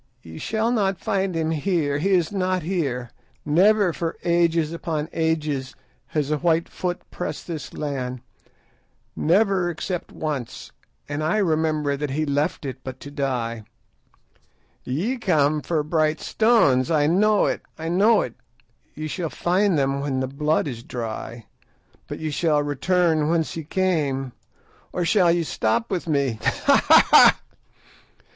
Ye shall not find him here. He is not here. Never for ages upon ages has a white foot pressed this land; never except once, and I remember that he left it but to die. Ye come for bright stones; I know it—I know it; ye shall find them when the blood is dry; but shall ye return whence ye came, or shall ye stop with me? _Ha! ha! ha!